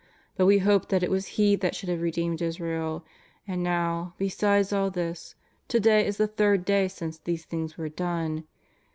But we hoped that it was He that should have redeemed Israel; and now, besides all this, to day is the third day since these things were done.